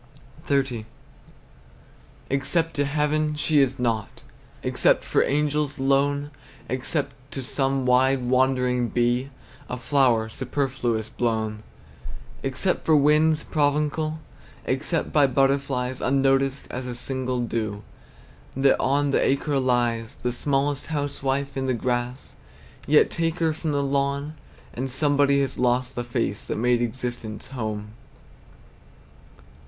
XXX. Except to heaven, she is nought; Except for angels, lone; Except to some wide wandering bee, A flower superfluous blown; Except for winds, provincial; Except by butterflies, Unnoticed as a single dew That on the acre lies. The smallest housewife in the grass, Yet take her from the lawn, And somebody has lost the face That made existence home!